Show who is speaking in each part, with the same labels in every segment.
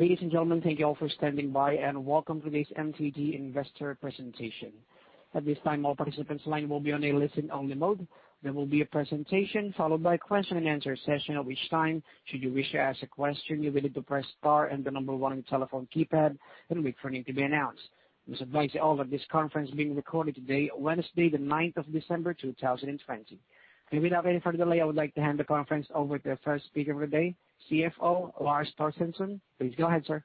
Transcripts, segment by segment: Speaker 1: Ladies and gentlemen, thank you all for standing by, and welcome to this MTG investor presentation. At this time, all participants' line will be on a listen-only mode. There will be a presentation followed by a question and answer session. At which time, should you wish to ask a question, you will need to press star and the number one on your telephone keypad, and wait for your name to be announced. Please advise all that this conference is being recorded today, Wednesday the 9th of December, 2020. Without any further delay, I would like to hand the conference over to the first speaker of the day, CFO Lars Torstensson. Please go ahead, sir.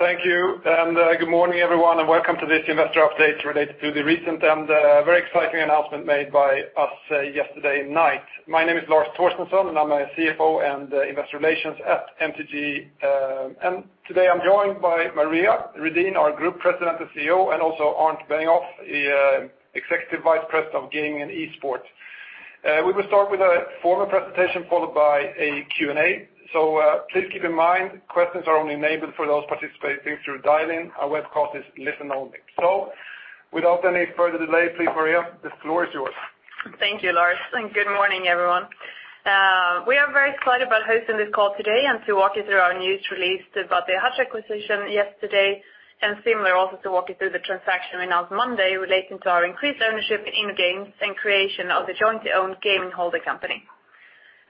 Speaker 2: Thank you. Good morning, everyone, and welcome to this investor update related to the recent and very exciting announcement made by us yesterday night. My name is Lars Torstensson, and I'm the CFO and Investor Relations at MTG. Today I'm joined by Maria Redin, our Group President and CEO, and also Arnd Benninghoff, the Executive Vice President of Gaming and Esports. We will start with a formal presentation followed by a Q&A. Please keep in mind, questions are only enabled for those participating through dial-in. Our webcast is listen-only. Without any further delay, please, Maria, the floor is yours.
Speaker 3: Thank you, Lars. Good morning, everyone. We are very excited about hosting this call today and to walk you through our news release about the Hutch acquisition yesterday, and similarly also to walk you through the transaction we announced Monday relating to our increased ownership in InnoGames and creation of the jointly owned gaming holding company.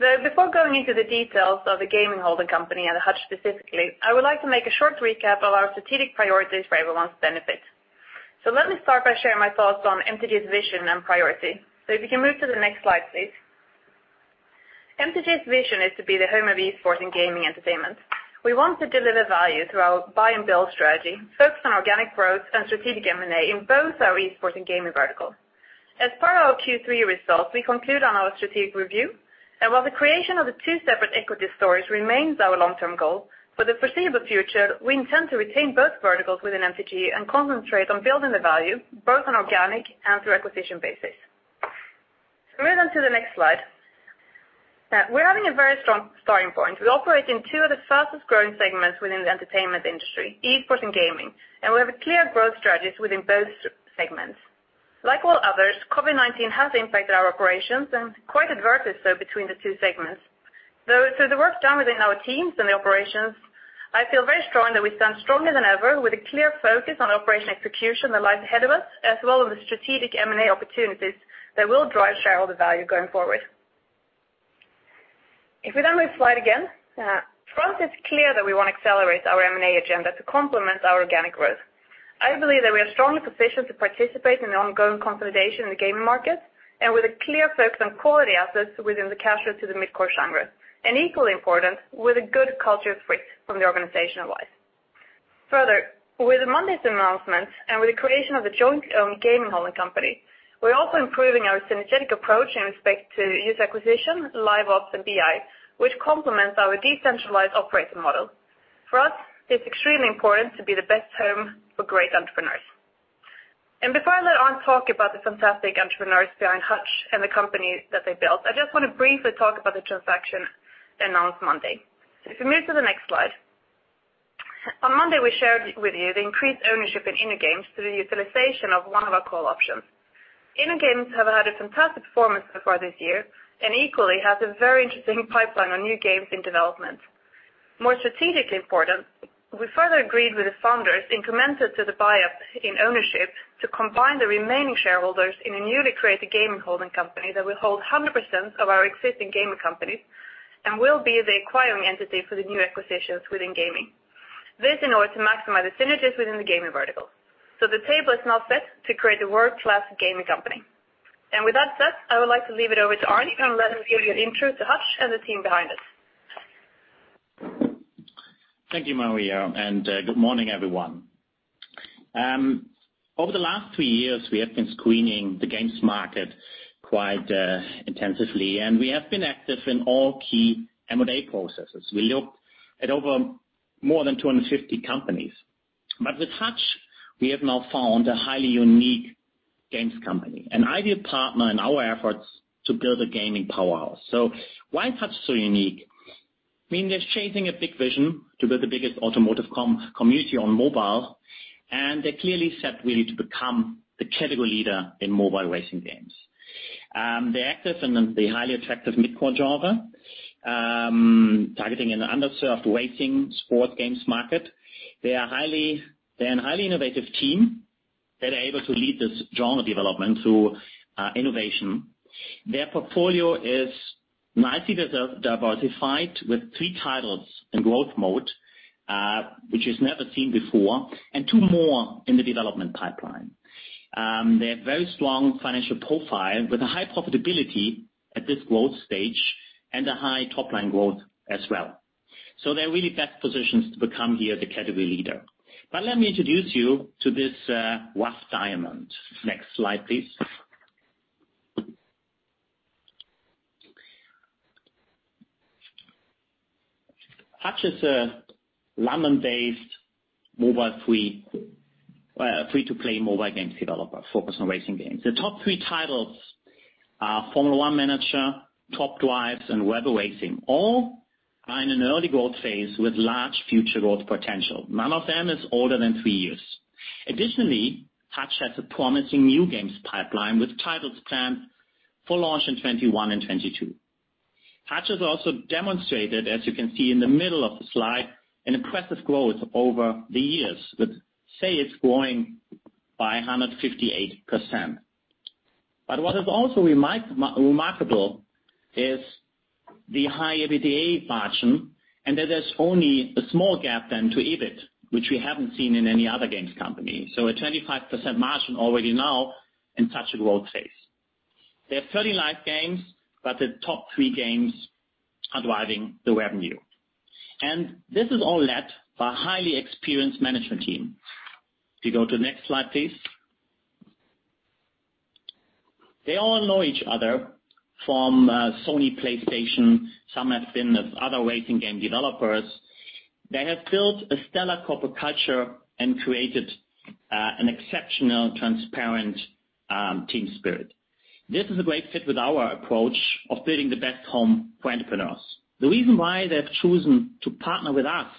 Speaker 3: Before going into the details of the gaming holding company and Hutch specifically, I would like to make a short recap of our strategic priorities for everyone's benefit. Let me start by sharing my thoughts on MTG's vision and priority. If you can move to the next slide, please. MTG's vision is to be the home of esports and gaming entertainment. We want to deliver value through our buy and build strategy, focused on organic growth and strategic M&A in both our esports and gaming verticals. As part of our Q3 results, we conclude on our strategic review that while the creation of the two separate equity stories remains our long-term goal, for the foreseeable future, we intend to retain both verticals within MTG and concentrate on building the value both on organic and through acquisition basis. Move on to the next slide. We're having a very strong starting point. We operate in two of the fastest-growing segments within the entertainment industry, esports and gaming, and we have a clear growth strategy within both segments. Like all others, COVID-19 has impacted our operations and quite adversely so between the two segments. Through the work done within our teams and the operations, I feel very strong that we stand stronger than ever with a clear focus on operation execution that lies ahead of us, as well as the strategic M&A opportunities that will drive shareholder value going forward. If we move slide again. For us, it's clear that we want to accelerate our M&A agenda to complement our organic growth. I believe that we are strongly positioned to participate in the ongoing consolidation in the gaming market and with a clear focus on quality assets within the casual to the mid-core genres, and equally important, with a good culture fit from the organizational-wise. Further, with Monday's announcements and with the creation of the joint-owned gaming holding company, we're also improving our synergetic approach in respect to user acquisition, LiveOps, and BI, which complements our decentralized operating model. For us, it is extremely important to be the best home for great entrepreneurs. Before I let Arnd talk about the fantastic entrepreneurs behind Hutch and the company that they built, I just want to briefly talk about the transaction announced Monday. If we move to the next slide. On Monday, we shared with you the increased ownership in InnoGames through the utilization of one of our call options. InnoGames have had a fantastic performance so far this year, and equally has a very interesting pipeline on new games in development. More strategically important, we further agreed with the founders in commensurate to the buy-up in ownership to combine the remaining shareholders in a newly created gaming holding company that will hold 100% of our existing gaming companies and will be the acquiring entity for the new acquisitions within gaming. This in order to maximize the synergies within the gaming vertical. The table is now set to create a world-class gaming company. With that said, I would like to leave it over to Arnd and let him give you an intro to Hutch and the team behind it.
Speaker 4: Thank you, Maria, and good morning, everyone. Over the last three years, we have been screening the games market quite intensively. We have been active in all key M&A processes. We looked at over more than 250 companies. With Hutch, we have now found a highly unique games company, an ideal partner in our efforts to build a gaming powerhouse. Why is Hutch so unique? I mean, they're chasing a big vision to build the biggest automotive community on mobile. They're clearly set really to become the category leader in mobile racing games. They're active in the highly attractive mid-core genre, targeting an underserved racing sports games market. They are a highly innovative team that are able to lead this genre development through innovation. Their portfolio is nicely diversified with three titles in growth mode, which is never seen before, and two more in the development pipeline. They have very strong financial profile with a high profitability at this growth stage and a high top-line growth as well. They're really best positioned to become here the category leader. Let me introduce you to this rough diamond. Next slide, please. Hutch is a London-based free-to-play mobile games developer focused on racing games. The top three titles are Formula One Manager, Top Drives, and Rebel Racing. All are in an early growth phase with large future growth potential. None of them is older than three years. Additionally, Hutch has a promising new games pipeline with titles planned for launch in 2021 and 2022. Hutch has also demonstrated, as you can see in the middle of the slide, an impressive growth over the years, with sales growing by 158%. What is also remarkable is the high EBITDA margin, and that there's only a small gap then to EBIT, which we haven't seen in any other games company. A 25% margin already now in such a growth phase. There are 30 live games, but the top three games are driving the revenue. This is all led by a highly experienced management team. If you go to the next slide, please. They all know each other from Sony PlayStation, some have been with other racing game developers. They have built a stellar corporate culture and created an exceptional transparent team spirit. This is a great fit with our approach of building the best home for entrepreneurs. The reason why they've chosen to partner with us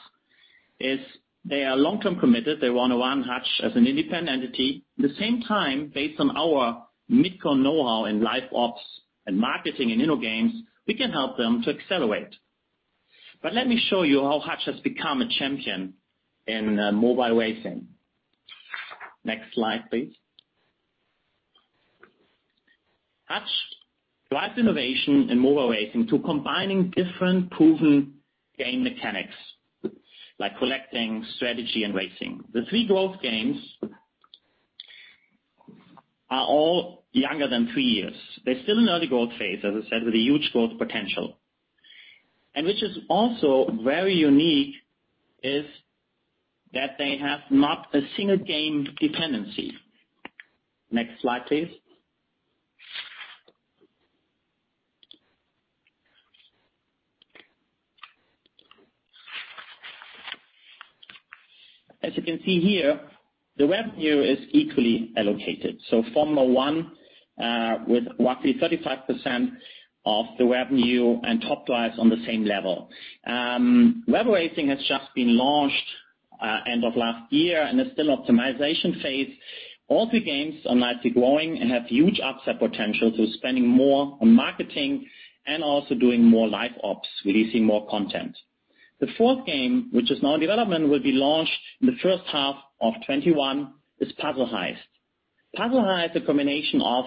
Speaker 4: is they are long-term committed, they want to run Hutch as an independent entity. At the same time, based on our mid-core knowhow in LiveOps and marketing in InnoGames, we can help them to accelerate. Let me show you how Hutch has become a champion in mobile racing. Next slide, please. Hutch drives innovation in mobile racing through combining different proven game mechanics, like collecting, strategy, and racing. The three growth games are all younger than three years. They're still in early growth phase, as I said, with a huge growth potential. Which is also very unique is that they have not a single game dependency. Next slide, please. As you can see here, the revenue is equally allocated. Formula One with roughly 35% of the revenue, and Top Drives on the same level. Rebel Racing has just been launched end of last year and is still optimization phase. All three games are nicely growing and have huge upset potential, spending more on marketing and also doing more LiveOps, releasing more content. The fourth game, which is now in development, will be launched in the first half of 2021, is Puzzle Heist. Puzzle Heist is a combination of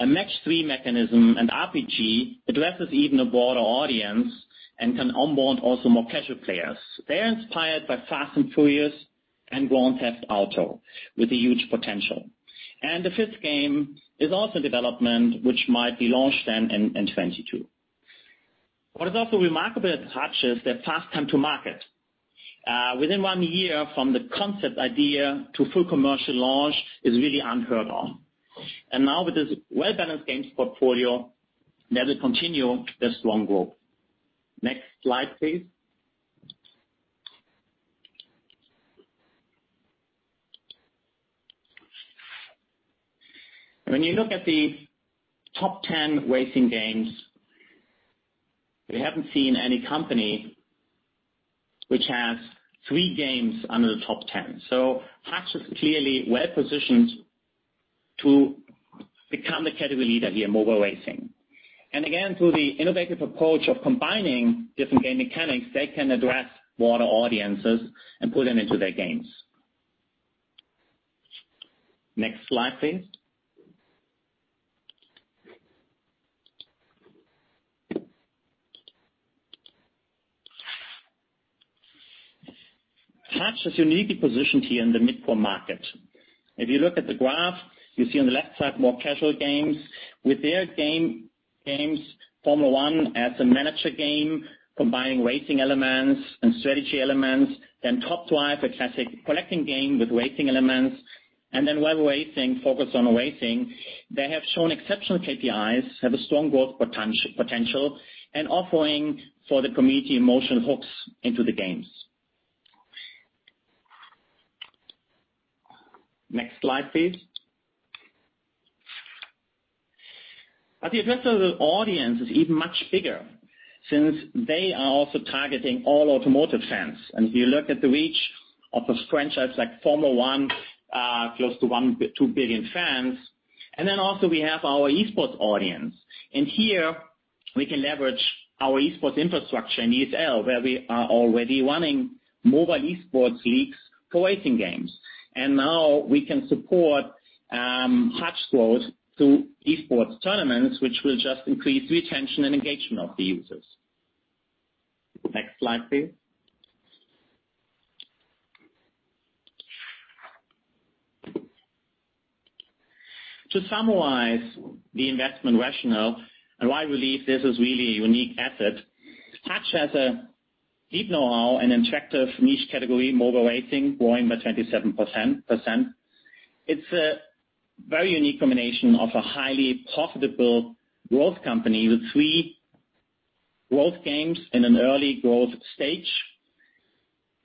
Speaker 4: a match-three mechanism and RPG, addresses even a broader audience, and can onboard also more casual players. They're inspired by Fast & Furious and Grand Theft Auto, with a huge potential. The fifth game is also in development, which might be launched then in 2022. What is also remarkable about Hutch is their fast time to market. Within one year from the concept idea to full commercial launch is really unheard of. Now with this well-balanced games portfolio, they will continue their strong growth. Next slide, please. When you look at the top 10 racing games, we haven't seen any company which has three games under the top 10. Hutch is clearly well-positioned to become the category leader here in mobile racing. Again, through the innovative approach of combining different game mechanics, they can address broader audiences and pull them into their games. Next slide, please. Hutch is uniquely positioned here in the mid-core market. If you look at the graph, you see on the left side more casual games. With their games, Formula One as a manager game combining racing elements and strategy elements, then Top Drives, a classic collecting game with racing elements, and then Rebel Racing focused on racing. They have shown exceptional KPIs, have a strong growth potential, offering for the community emotion hooks into the games. Next slide, please. The addressable audience is even much bigger since they are also targeting all automotive fans. If you look at the reach of those franchises like Formula One, close to 2 billion fans. Also we have our esports audience. Here, we can leverage our esports infrastructure in ESL, where we are already running mobile esports leagues for racing games. Now we can support Hutch growth through esports tournaments, which will just increase retention and engagement of the users. Next slide, please. To summarize the investment rationale and why we believe this is a really unique asset, Hutch has a deep knowhow in attractive niche category mobile racing, growing by 27%. It's a very unique combination of a highly profitable growth company with three growth games in an early growth stage.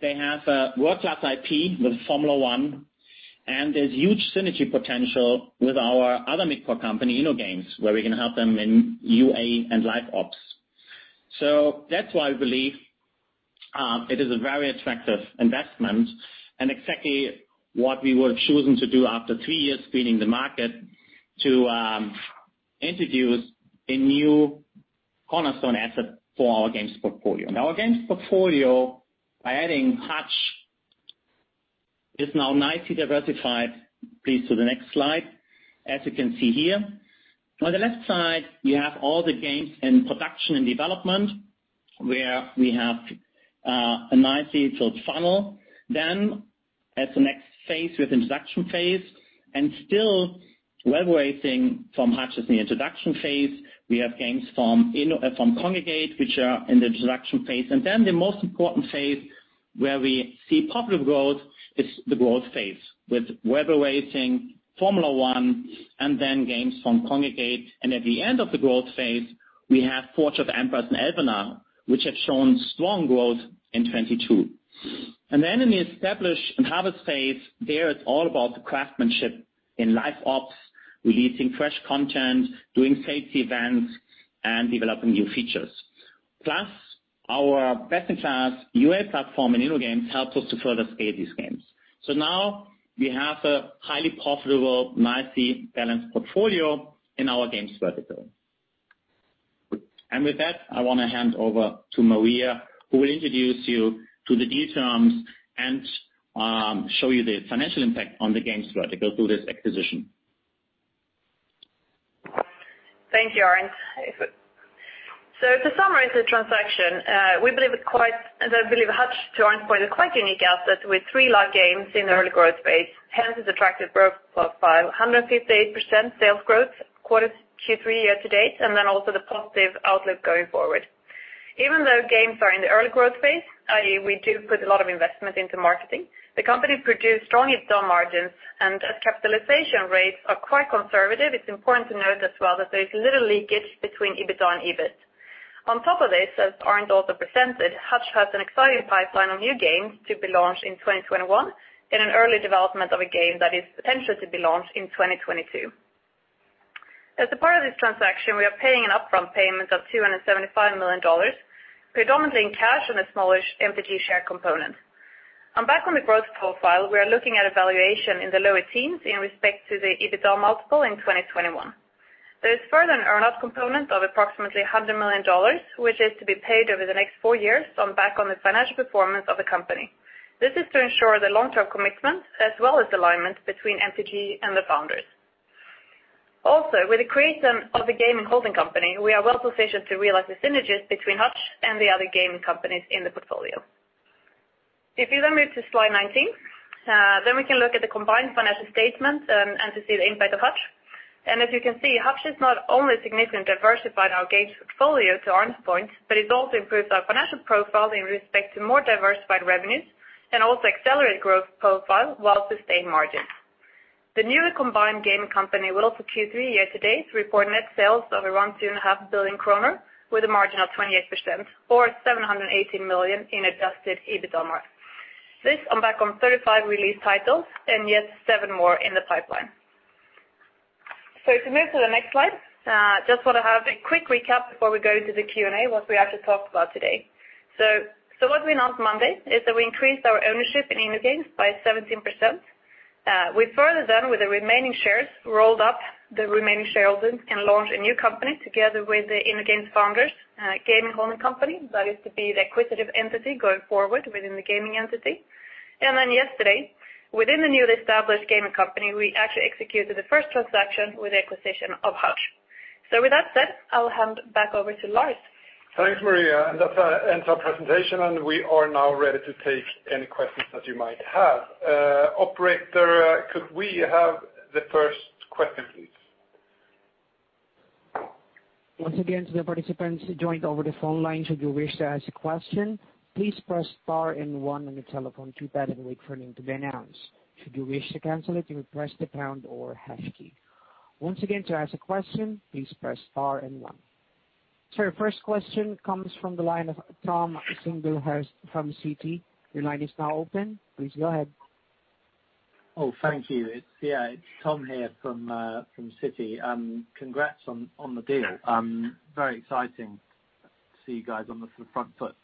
Speaker 4: They have a world-class IP with Formula One. There's huge synergy potential with our other mid-core company, InnoGames, where we can help them in UA and LiveOps. That's why we believe it is a very attractive investment and exactly what we were choosing to do after three years screening the market to introduce a new cornerstone asset for our games portfolio. Our games portfolio, by adding Hutch, is now nicely diversified. Please to the next slide. As you can see here, on the left side, you have all the games in production and development, where we have a nicely filled funnel. As the next phase, we have the introduction phase. Still Rebel Racing from Hutch is in the introduction phase. We have games from Kongregate, which are in the introduction phase. Then the most important phase, where we see popular growth, is the growth phase with Rebel Racing, Formula One, and then games from Kongregate. At the end of the growth phase, we have Forge of Empires and Elvenar, which have shown strong growth in 2022. In the establish and harvest phase, there it's all about the craftsmanship in LiveOps, releasing fresh content, doing safety events, and developing new features. Plus, our best-in-class UA platform in InnoGames helps us to further scale these games. Now we have a highly profitable, nicely balanced portfolio in our games vertical. With that, I want to hand over to Maria, who will introduce you to the deal terms and show you the financial impact on the games vertical through this acquisition.
Speaker 3: Thank you, Arnd. To summarize the transaction, we believe Hutch, to Arnd's point, is a quite unique asset with three live games in the early growth phase, hence its attractive growth profile, 158% sales growth quarter Q3 year-to-date, also the positive outlook going forward. Even though games are in the early growth phase, i.e., we do put a lot of investment into marketing, the company produced strong EBITDA margins. As capitalization rates are quite conservative, it is important to note as well that there is little leakage between EBITDA and EBIT. On top of this, as Arnd also presented, Hutch has an exciting pipeline of new games to be launched in 2021 in an early development of a game that is potential to be launched in 2022. As a part of this transaction, we are paying an upfront payment of $275 million, predominantly in cash and a smaller MTG share component. Back on the growth profile, we are looking at a valuation in the lower teens in respect to the EBITDA multiple in 2021. There is further an earnout component of approximately $100 million, which is to be paid over the next four years on back on the financial performance of the company. This is to ensure the long-term commitment as well as alignment between MTG and the founders. With the creation of the gaming holding company, we are well-positioned to realize the synergies between Hutch and the other gaming companies in the portfolio. If you move to slide 19, then we can look at the combined financial statement and to see the impact of Hutch. As you can see, Hutch has not only significantly diversified our games portfolio, to Arnd's point, but it also improves our financial profile in respect to more diversified revenues and also accelerate growth profile while sustained margins. The newly combined gaming company will, for Q3 year-to-date, report net sales of around 2.5 billion kronor, with a margin of 28%, or 718 million in adjusted EBITDA margin. This on back on 35 released titles, and yet seven more in the pipeline. If you move to the next slide, just want to have a quick recap before we go to the Q&A, what we actually talked about today. What we announced Monday is that we increased our ownership in InnoGames by 17%. We've further done with the remaining shares, rolled up the remaining shareholdings, and launched a new company together with the InnoGames founders, a gaming holding company that is to be the acquisitive entity going forward within the gaming entity. Yesterday, within the newly established gaming company, we actually executed the first transaction with the acquisition of Hutch. With that said, I'll hand back over to Lars.
Speaker 2: Thanks, Maria, that ends our presentation. We are now ready to take any questions that you might have. Operator, could we have the first question, please?
Speaker 1: Once again, to the participants joined over the phone line, should you wish to ask a question, please press star and one on your telephone keypad and wait for four name to be announced. Should you wish to cancel it, you may press the pound or hash key. Once again, to ask a question, please press star and one. Sir, your first question comes from the line of Tom Singlehurst from Citi. Your line is now open. Please go ahead.
Speaker 5: Oh, thank you. It's Tom here from Citi. Congrats on the deal. Very exciting to see you guys on the front foot.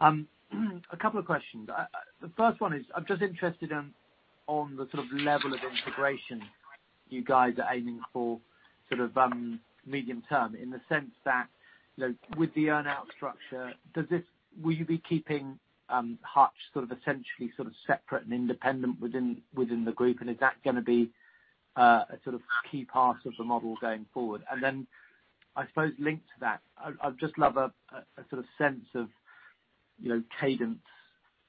Speaker 5: A couple of questions. I'm just interested on the sort of level of integration you guys are aiming for medium-term in the sense that with the earn-out structure, will you be keeping Hutch essentially separate and independent within the group, and is that going to be a key part of the model going forward? I suppose linked to that, I'd just love a sense of cadence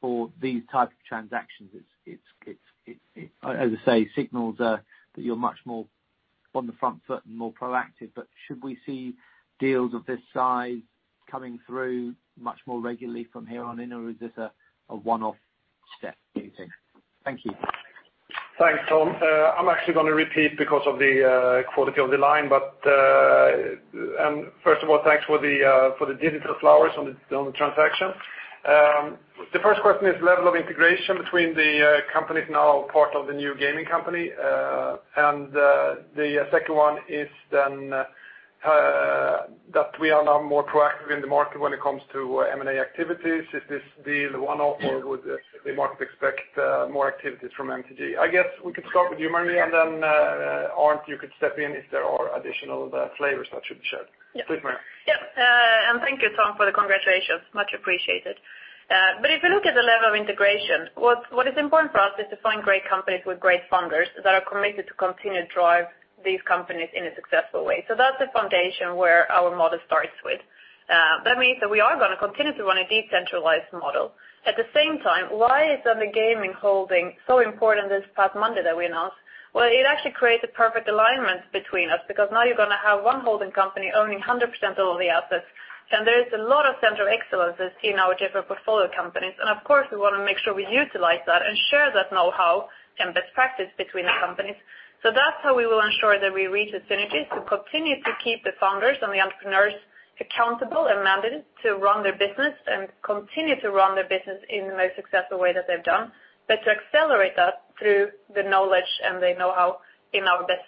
Speaker 5: for these type of transactions. As I say, signals that you're much more on the front foot and more proactive, should we see deals of this size coming through much more regularly from here on in, or is this a one-off step, do you think? Thank you.
Speaker 2: Thanks, Tom. I'm actually going to repeat because of the quality of the line. First of all, thanks for the digital flowers on the transaction. The first question is level of integration between the companies now part of the new gaming company. The second one is that we are now more proactive in the market when it comes to M&A activities. Is this deal a one-off or would the market expect more activities from MTG? I guess we could start with you, Maria, and then, Arnd, you could step in if there are additional flavors that should be shared.
Speaker 3: Yeah.
Speaker 2: Please, Maria.
Speaker 3: Yeah, thank you, Tom, for the congratulations. Much appreciated. If you look at the level of integration, what is important for us is to find great companies with great founders that are committed to continue to drive these companies in a successful way. That's the foundation where our model starts with. That means that we are going to continue to run a decentralized model. At the same time, why is the gaming holding so important this past Monday that we announced? Well, it actually creates a perfect alignment between us because now you're going to have one holding company owning 100% of all the assets. There is a lot of center of excellences in our different portfolio companies. Of course, we want to make sure we utilize that and share that knowhow and best practice between the companies. That's how we will ensure that we reach the synergies to continue to keep the founders and the entrepreneurs accountable and mandated to run their business, and continue to run their business in the most successful way that they've done, but to accelerate that through the knowledge and the knowhow in our best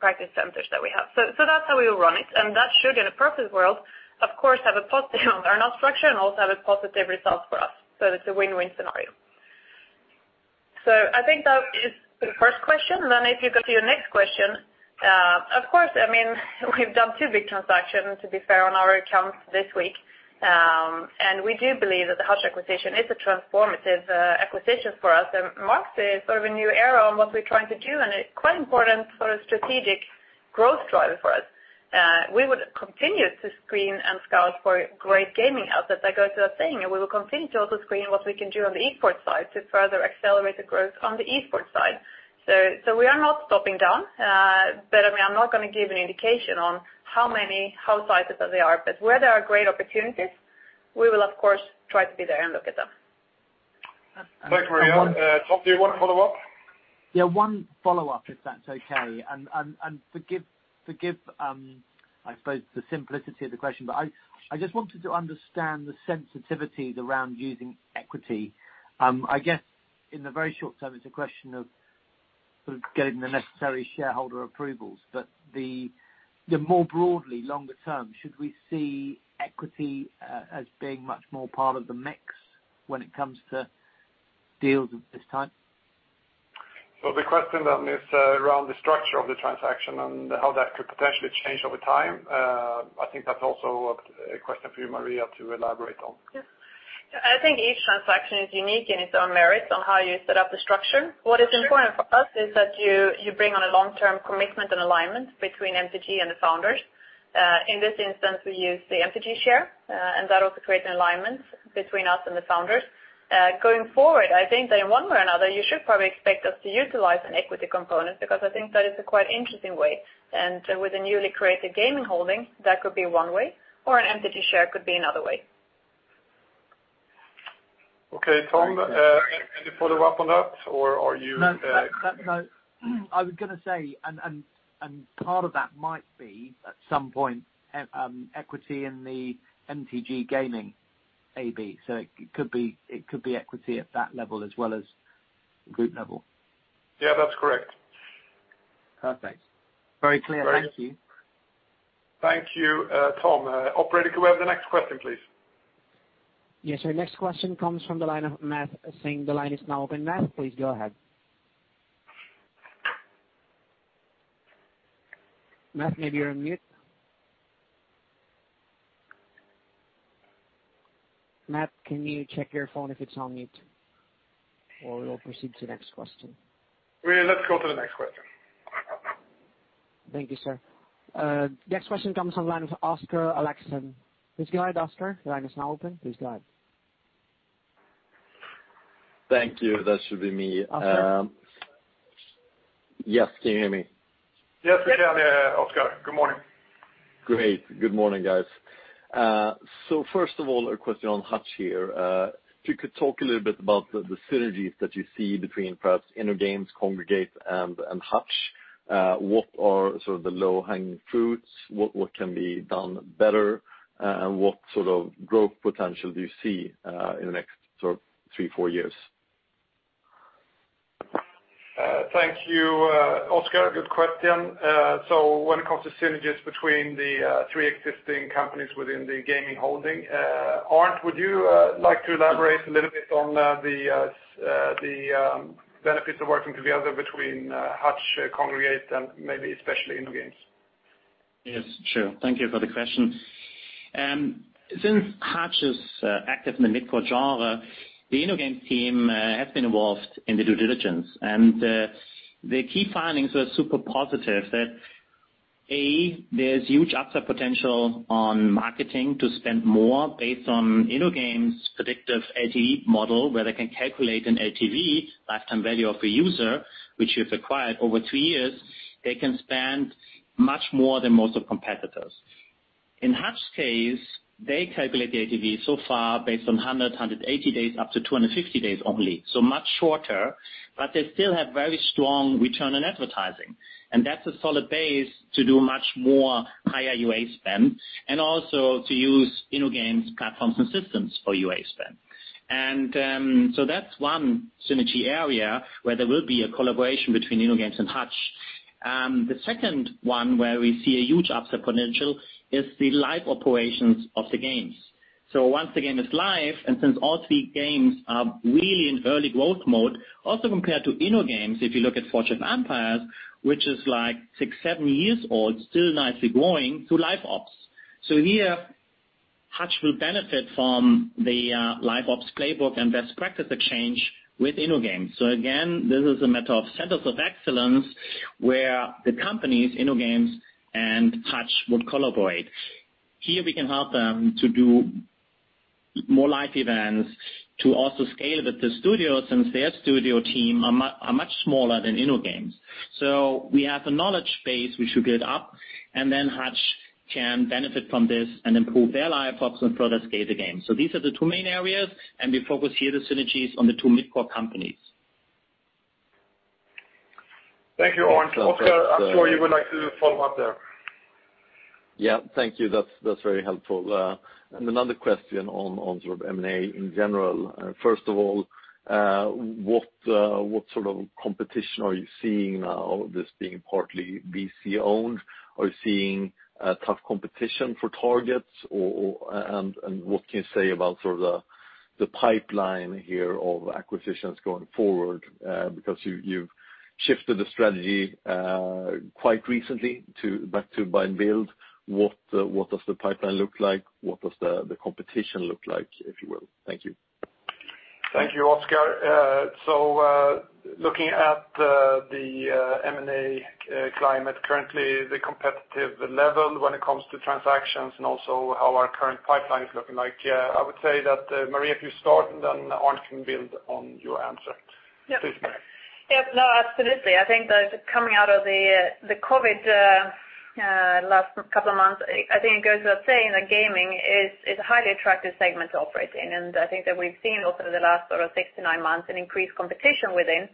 Speaker 3: practice centers that we have. That's how we will run it, and that should, in a perfect world, of course have a positive earnout structure and also have a positive result for us. It's a win-win scenario. I think that is the first question. If you go to your next question, of course, we've done two big transactions, to be fair, on our accounts this week. We do believe that the Hutch acquisition is a transformative acquisition for us and marks sort of a new era on what we're trying to do. It's quite important for a strategic growth driver for us. We would continue to screen and scout for great gaming assets that go to that thing, and we will continue to also screen what we can do on the esports side to further accelerate the growth on the esports side. We are not stopping down. I'm not going to give an indication on how many, how sizes that they are. Where there are great opportunities, we will of course try to be there and look at them.
Speaker 2: Thanks, Maria. Tom, do you want to follow up?
Speaker 5: Yeah, one follow-up, if that's okay. Forgive, I suppose the simplicity of the question, but I just wanted to understand the sensitivities around using equity. I guess in the very short term, it's a question of sort of getting the necessary shareholder approvals. More broadly, longer term, should we see equity as being much more part of the mix when it comes to deals of this type?
Speaker 2: The question then is around the structure of the transaction and how that could potentially change over time. I think that's also a question for you, Maria, to elaborate on.
Speaker 3: Yeah. I think each transaction is unique in its own merits on how you set up the structure. What is important for us is that you bring on a long-term commitment and alignment between MTG and the founders. In this instance, we use the MTG share, and that also creates an alignment between us and the founders. Going forward, I think that in one way or another, you should probably expect us to utilize an equity component because I think that is a quite interesting way. With the newly created gaming holding, that could be one way, or an MTG share could be another way.
Speaker 2: Okay, Tom, any follow-up on that?
Speaker 5: No. I was going to say, and part of that might be at some point equity in the MTG Gaming AB. It could be equity at that level as well as group level.
Speaker 2: Yeah, that's correct.
Speaker 5: Perfect. Very clear. Thank you.
Speaker 2: Thank you, Tom. Operator, could we have the next question, please?
Speaker 1: Yes, sir. Next question comes from the line of Matt Singh. The line is now open. Matt, please go ahead. Matt, maybe you're on mute. Matt, can you check your phone if it's on mute? We will proceed to the next question.
Speaker 2: Let's go to the next question.
Speaker 1: Thank you, sir. The next question comes on line of Oscar Erixon. Please go ahead, Oscar. The line is now open. Please go ahead.
Speaker 6: Thank you. That should be me.
Speaker 1: Oscar.
Speaker 6: Yes, can you hear me?
Speaker 2: Yes, we can hear, Oscar. Good morning.
Speaker 6: Great. Good morning, guys. First of all, a question on Hutch here. If you could talk a little bit about the synergies that you see between perhaps InnoGames, Kongregate, and Hutch. What are sort of the low-hanging fruits? What can be done better? What sort of growth potential do you see in the next sort of three, four years?
Speaker 2: Thank you, Oscar. Good question. When it comes to synergies between the three existing companies within the gaming holding, Arnd, would you like to elaborate a little bit on the benefits of working together between Hutch, Kongregate, and maybe especially InnoGames?
Speaker 4: Yes, sure. Thank you for the question. Since Hutch is active in the mid-core genre, the InnoGames team has been involved in the due diligence. The key findings were super positive that, A, there's huge upsell potential on marketing to spend more based on InnoGames' predictive LTV model, where they can calculate an LTV, lifetime value of a user, which we've acquired over three years. They can spend much more than most of competitors. In Hutch's case, they calculate the LTV so far based on 100, 180 days up to 250 days only. Much shorter, but they still have very strong return on advertising. That's a solid base to do much more higher UA spend, and also to use InnoGames platforms and systems for UA spend. That's one synergy area where there will be a collaboration between InnoGames and Hutch. The second one where we see a huge upside potential is the live operations of the games. Once the game is live, and since all three games are really in early growth mode, also compared to InnoGames, if you look at Forge of Empires, which is six, seven years old, still nicely growing through LiveOps. Here, Hutch will benefit from the LiveOps playbook and best practice exchange with InnoGames. Again, this is a matter of centers of excellence where the companies, InnoGames and Hutch, would collaborate. Here we can help them to do more live events to also scale with the studios, since their studio team are much smaller than InnoGames. We have the knowledge base we should build up, and then Hutch can benefit from this and improve their LiveOps and further scale the game. These are the two main areas, and we focus here the synergies on the two mid-core companies.
Speaker 2: Thank you, Arnd. Oscar, I'm sure you would like to follow up there.
Speaker 6: Yeah, thank you. That's very helpful. Another question on sort of M&A in general. First of all, what sort of competition are you seeing now, this being partly VC-owned? Are you seeing tough competition for targets? What can you say about sort of the pipeline here of acquisitions going forward? Because you've shifted the strategy quite recently back to buy and build. What does the pipeline look like? What does the competition look like, if you will? Thank you.
Speaker 2: Thank you, Oscar. Looking at the M&A climate currently, the competitive level when it comes to transactions and also how our current pipeline is looking like, I would say that, Maria, if you start, and then Arnd can build on your answer.
Speaker 3: Yep.
Speaker 2: Please, Maria.
Speaker 3: Yep. No, absolutely. I think that coming out of the COVID last couple of months, I think it goes without saying that gaming is a highly attractive segment to operate in. I think that we've seen also the last sort of six to nine months an increased competition within.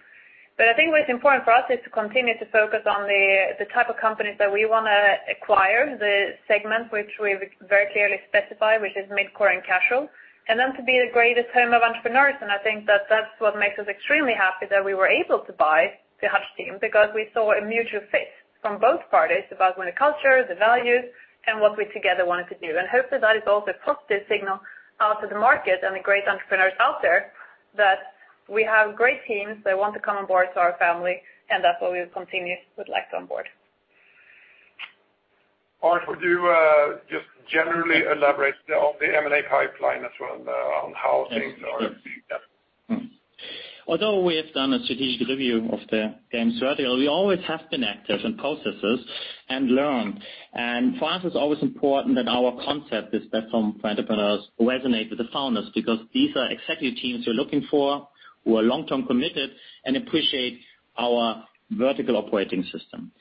Speaker 3: I think what's important for us is to continue to focus on the type of companies that we want to acquire, the segment which we very clearly specify, which is mid-core and casual, and then to be the greatest home of entrepreneurs. I think that that's what makes us extremely happy that we were able to buy the Hutch team because we saw a mutual fit from both parties about when the culture, the values, and what we together wanted to do. Hopefully that is also a positive signal out to the market and the great entrepreneurs out there that we have great teams that want to come on board to our family, and that's what we continue would like to onboard.
Speaker 2: Arnd, would you just generally elaborate on the M&A pipeline as well and on how things are looking? Yeah.
Speaker 4: Although we have done a strategic review of the games vertical, we always have been active in processes and learn. For us, it's always important that our concept is best home for entrepreneurs, resonate with the founders, because these are exactly teams we're looking for, who are long-term committed and appreciate our vertical operating system.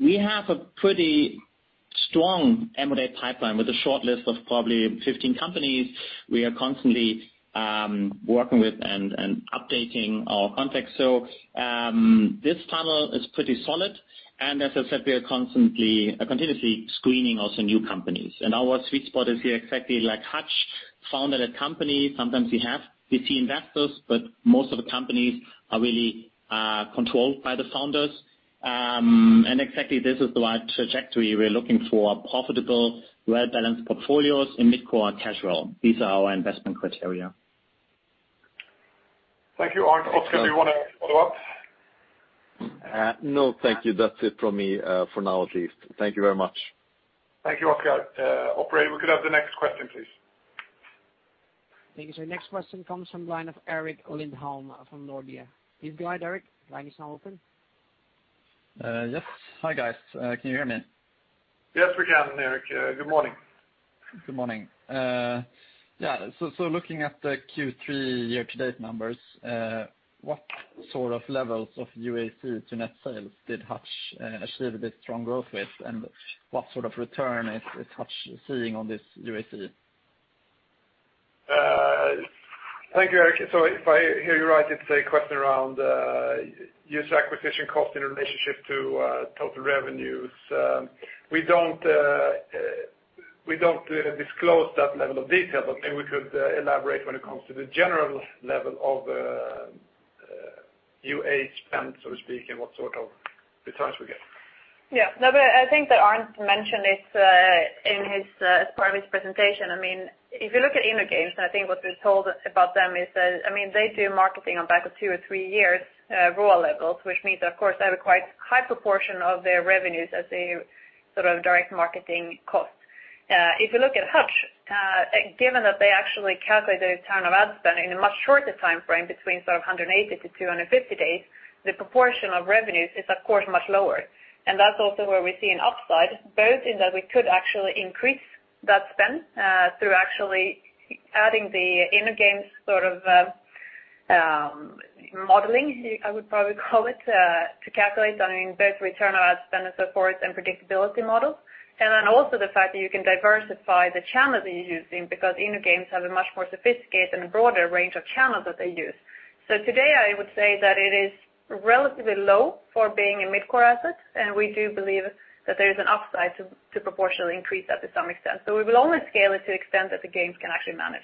Speaker 4: We have a pretty strong M&A pipeline with a shortlist of probably 15 companies we are constantly working with and updating our contacts. This tunnel is pretty solid, and as I said, we are continuously screening also new companies. Our sweet spot is here exactly like Hutch founded a company. Sometimes we have VC investors, but most of the companies are really controlled by the founders. Exactly this is the right trajectory. We're looking for profitable, well-balanced portfolios in mid-core and casual. These are our investment criteria.
Speaker 2: Thank you, Arnd. Oscar, do you want to follow up?
Speaker 6: No, thank you. That's it from me for now at least. Thank you very much.
Speaker 2: Thank you, Oscar. Operator, we could have the next question, please.
Speaker 1: Thank you, sir. Next question comes from line of Erik Lindholm from Nordea. Please go ahead, Erik. Line is now open.
Speaker 7: Yes. Hi, guys. Can you hear me?
Speaker 2: Yes, we can, Erik. Good morning.
Speaker 7: Good morning. Yeah. Looking at the Q3 year-to-date numbers, what sort of levels of UAC to net sales did Hutch achieve a bit strong growth with, and what sort of return is Hutch seeing on this UAC?
Speaker 2: Thank you, Erik. If I hear you right, it's a question around user acquisition cost in relationship to total revenues. We don't disclose that level of detail, but maybe we could elaborate when it comes to the general level of UA spend, so to speak, and what sort of returns we get.
Speaker 3: Yeah. No, I think that Arnd mentioned this as part of his presentation. If you look at InnoGames, I think what we told about them is that they do marketing on back of two or three years ROA levels, which means of course they have a quite high proportion of their revenues as a sort of direct marketing cost. If you look at Hutch, given that they actually calculate their return on ad spend in a much shorter timeframe between sort of 180 to 250 days, the proportion of revenues is of course much lower. That's also where we see an upside, both in that we could actually increase that spend through actually adding the InnoGames sort of modeling, I would probably call it, to calculate on both return on ad spend and so forth and predictability models. Also the fact that you can diversify the channels that you're using because InnoGames have a much more sophisticated and a broader range of channels that they use. Today, I would say that it is relatively low for being a mid-core asset, and we do believe that there is an upside to proportionally increase that to some extent. We will only scale it to the extent that the games can actually manage.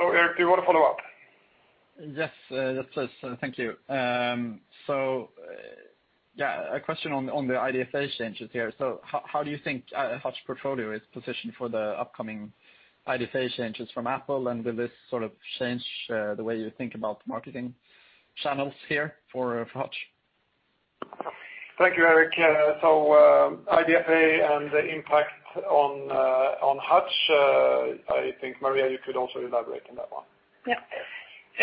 Speaker 2: Erik, do you want to follow up?
Speaker 7: Yes. Thank you. Yeah, a question on the IDFA changes here. How do you think Hutch portfolio is positioned for the upcoming IDFA changes from Apple, and will this sort of change the way you think about marketing channels here for Hutch?
Speaker 2: Thank you, Erik. IDFA and the impact on Hutch, I think, Maria, you could also elaborate on that one.
Speaker 3: Yeah.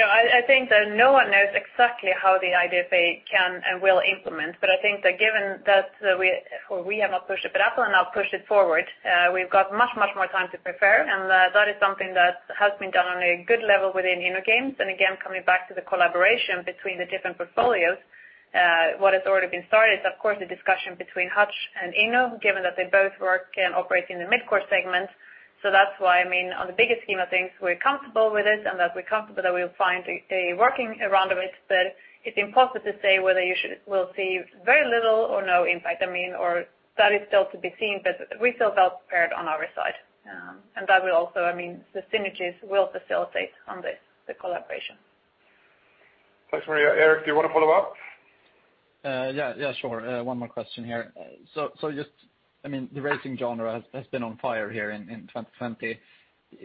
Speaker 3: I think that no one knows exactly how the IDFA can and will implement, but I think that given that we have not pushed it, but Apple now pushed it forward, we've got much, much more time to prepare, and that is something that has been done on a good level within InnoGames. Again, coming back to the collaboration between the different portfolios, what has already been started, of course, the discussion between Hutch and Inno, given that they both work and operate in the mid-core segment. That's why, I mean, on the bigger scheme of things, we're comfortable with it and that we're comfortable that we'll find a working around of it, but it's impossible to say whether we'll see very little or no impact. I mean, that is still to be seen, but we feel well-prepared on our side. That will also, I mean, the synergies will facilitate on this, the collaboration.
Speaker 2: Thanks, Maria. Erik, do you want to follow up?
Speaker 7: Yeah, sure. One more question here. Just, I mean, the racing genre has been on fire here in 2020.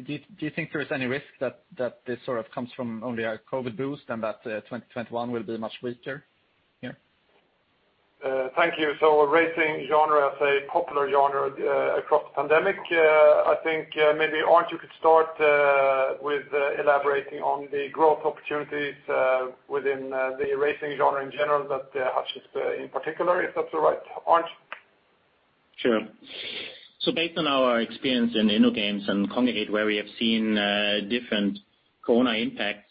Speaker 7: Do you think there is any risk that this sort of comes from only a COVID boost and that 2021 will be much weaker? Yeah.
Speaker 2: Thank you. Racing genre is a popular genre across the pandemic. I think maybe, Arnd, you could start with elaborating on the growth opportunities within the racing genre in general that Hutch is in particular, if that's all right. Arnd?
Speaker 4: Sure. Based on our experience in InnoGames and Kongregate, where we have seen different corona impacts,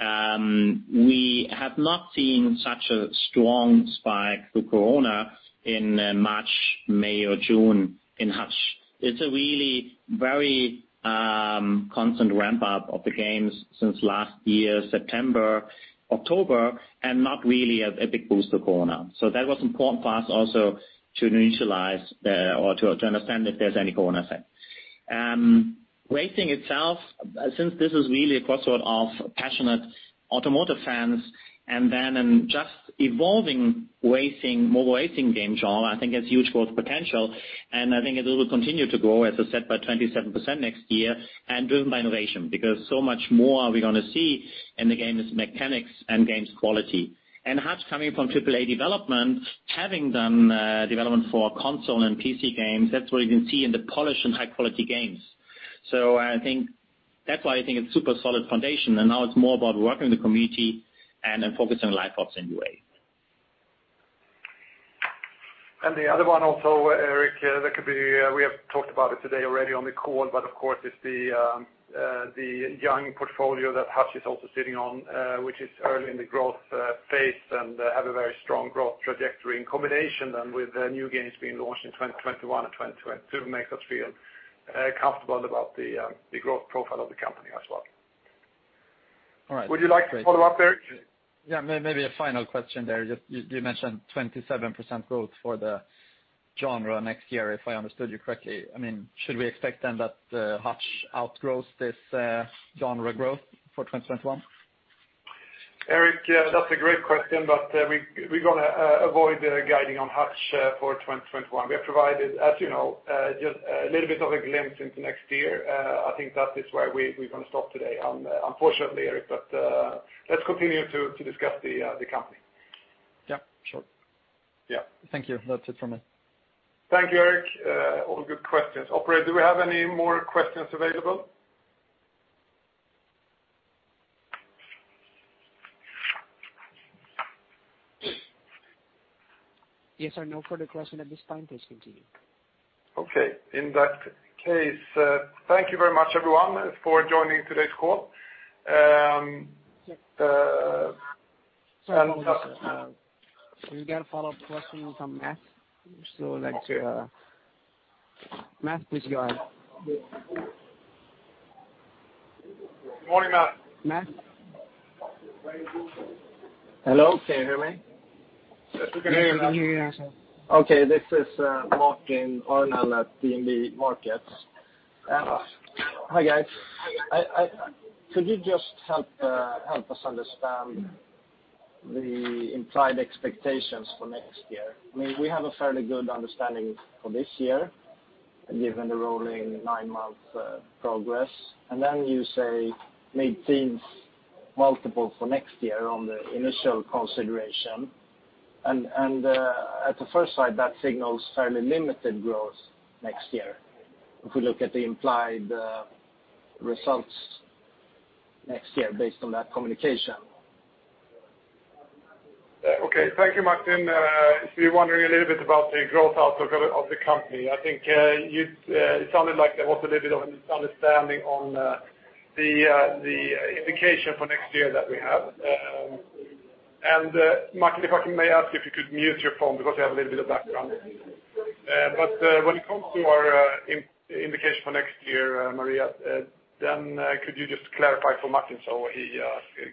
Speaker 4: we have not seen such a strong spike through corona in March, May, or June in Hutch. It's a really very constant ramp-up of the games since last year, September, October, and not really a big boost of corona. That was important for us also to initialize or to understand if there's any corona effect. Racing itself, since this is really a crossroad of passionate automotive fans, and then in just evolving mobile racing game genre, I think has huge growth potential, and I think it will continue to grow, as I said, by 27% next year, and driven by innovation, because so much more are we going to see in the game's mechanics and game's quality. Hutch coming from AAA development, having done development for console and PC games, that's where you can see in the polish and high-quality games. I think that's why I think it's super solid foundation, and now it's more about working with the community and then focusing on LiveOps and UA.
Speaker 2: The other one also, Erik, that could be, we have talked about it today already on the call, but of course, it's the young portfolio that Hutch is also sitting on, which is early in the growth phase and have a very strong growth trajectory in combination then with new games being launched in 2021 and 2022 makes us feel comfortable about the growth profile of the company as well.
Speaker 7: All right.
Speaker 2: Would you like to follow up, Erik?
Speaker 7: Yeah, maybe a final question there. You mentioned 27% growth for the genre next year, if I understood you correctly. I mean, should we expect then that Hutch outgrows this genre growth for 2021?
Speaker 2: Erik, that's a great question. We're going to avoid guiding on Hutch for 2021. We have provided, as you know, just a little bit of a glimpse into next year. I think that is where we're going to stop today, unfortunately, Erik. Let's continue to discuss the company.
Speaker 7: Yeah, sure.
Speaker 2: Yeah.
Speaker 7: Thank you. That's it from me.
Speaker 2: Thank you, Erik. All good questions. Operator, do we have any more questions available?
Speaker 1: Yes, sir. No further question at this time. Please continue.
Speaker 2: Okay. In that case, thank you very much, everyone, for joining today's call.
Speaker 1: Sorry. We got a follow-up question from Matt. Matt, please go ahead.
Speaker 2: Good morning, Matt.
Speaker 1: Matt?
Speaker 8: Hello, can you hear me?
Speaker 2: Yes, we can hear you, Matt.
Speaker 1: We can hear you now, sir.
Speaker 8: Okay. This is Martin Arnell at DNB Markets. Hi, guys. Could you just help us understand the implied expectations for next year? I mean, we have a fairly good understanding for this year, given the rolling nine-month progress. You say mid-teens multiple for next year on the initial consideration. At the first sight, that signals fairly limited growth next year, if we look at the implied results next year based on that communication.
Speaker 2: Okay. Thank you, Martin. If you're wondering a little bit about the growth outlook of the company, I think it sounded like there was a little bit of a misunderstanding on the indication for next year that we have. Martin, if I may ask you if you could mute your phone because we have a little bit of background noise. When it comes to our indication for next year, Maria, could you just clarify for Martin so he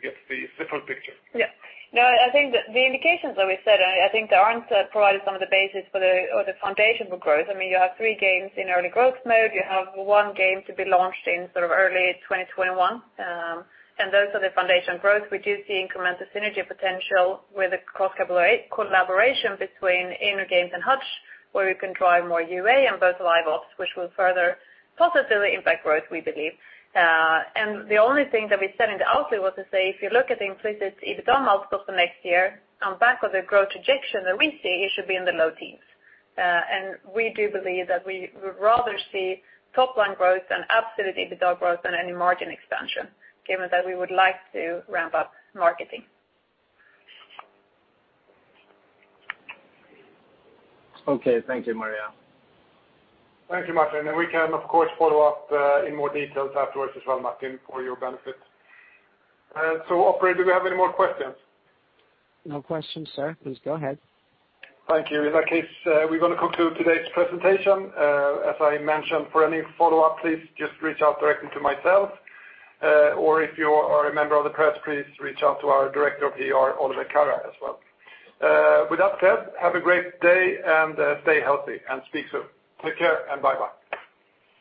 Speaker 2: gets the different picture?
Speaker 3: Yeah. No, I think the indications that we said, I think Arnd provided some of the basis for the foundation for growth. I mean, you have three games in early growth mode. You have one game to be launched in sort of early 2021. Those are the foundation growth. We do see incremental synergy potential with a cross-collaboration between InnoGames and Hutch, where we can drive more UA on both LiveOps, which will further positively impact growth, we believe. The only thing that we said in the outlook was to say, if you look at the implicit EBITDA multiples for next year, on the back of the growth projection that we see, it should be in the low teens. We do believe that we would rather see top-line growth and absolute EBITDA growth than any margin expansion, given that we would like to ramp up marketing.
Speaker 8: Okay. Thank you, Maria.
Speaker 2: Thank you, Martin. We can, of course, follow up in more details afterwards as well, Martin, for your benefit. Operator, do we have any more questions?
Speaker 1: No questions, sir. Please go ahead.
Speaker 2: Thank you. In that case, we're going to conclude today's presentation. As I mentioned, for any follow-up, please just reach out directly to myself. Or if you are a member of the press, please reach out to our Director of PR, Oliver Carrà, as well. With that said, have a great day, and stay healthy, and speak soon. Take care, and bye-bye.